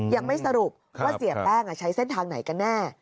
ยังไม่สรุปว่าเสียแป้งใช้เส้นทางไหนกันแน่